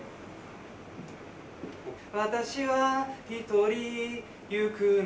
「私は一人行くの」